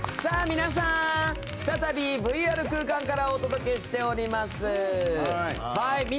皆さん、再びＶＲ空間からお届けしております。